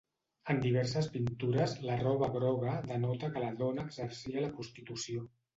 En diverses pintures la roba groga denota que la dona exercia la prostitució.